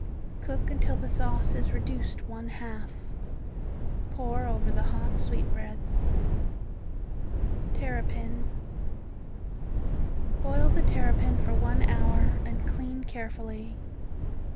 Cook until the sauce is reduced one half. Pour over the hot sweetbreads. Terrapin Boil the terrapin for one hour, and clean carefully.